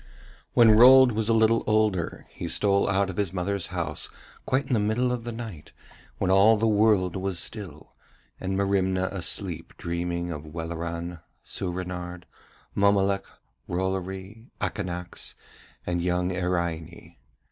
When Rold was a little older he stole out of his mother's house quite in the middle of the night when all the world was still, and Merimna asleep dreaming of Welleran, Soorenard, Mommolek, Rollory, Akanax, and young Iraine.